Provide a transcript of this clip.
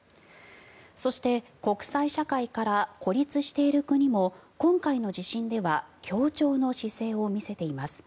そして国際社会から孤立している国も今回の地震では協調の姿勢を見せています。